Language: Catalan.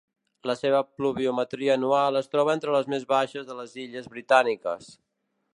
La seva pluviometria anual es troba entre les més baixes de les Illes Britàniques.